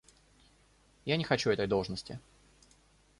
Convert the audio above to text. Я не хочу этой должности.